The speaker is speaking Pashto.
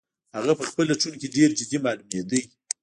هغه په خپل لټون کې ډېر جدي معلومېده.